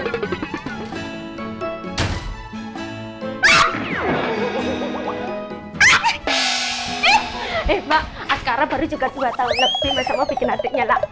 eh mak asgara baru juga dua tahun lebih masalah pikir nanti nyala